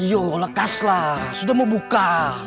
iyo lekas lah sudah mau buka